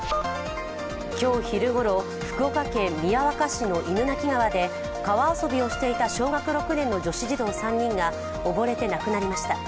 今日昼ごろ、福岡県宮若市の犬鳴川で川遊びをしていた小学６年の女子児童３人が溺れて亡くなりました。